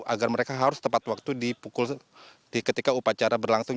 agar mereka harus tepat waktu dipukul ketika upacara berlangsung